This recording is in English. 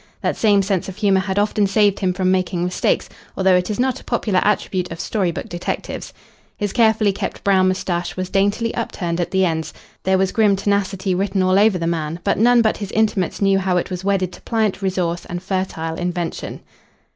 That same sense of humour had often saved him from making mistakes, although it is not a popular attribute of story book detectives. His carefully kept brown moustache was daintily upturned at the ends. There was grim tenacity written all over the man, but none but his intimates knew how it was wedded to pliant resource and fertile invention.